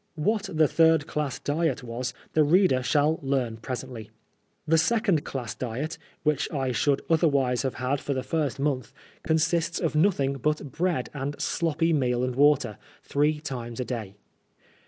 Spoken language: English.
What he third class diet was the reader shall learn presentl y. The second class diet, which I should otherwise have had for the first month, consists of nothing but bread and sloppy meal and water, three times a day.